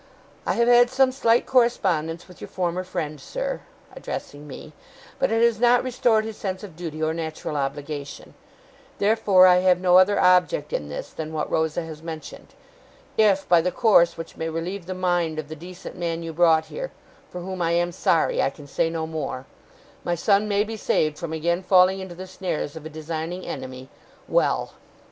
I have had some slight correspondence with your former friend, sir,' addressing me, 'but it has not restored his sense of duty or natural obligation. Therefore I have no other object in this, than what Rosa has mentioned. If, by the course which may relieve the mind of the decent man you brought here (for whom I am sorry I can say no more), my son may be saved from again falling into the snares of a designing enemy, well!